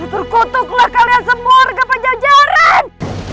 terkutuklah kalian semua warga pajajaran